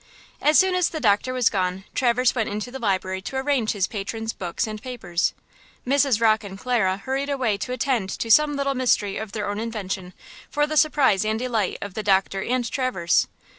As soon as the doctor was gone, Traverse went into the library to arrange his patron's books and papers. Mrs. Rocke and Clara hurried away to attend to some little mystery of their own invention for the surprise and delight of the doctor and Traverse.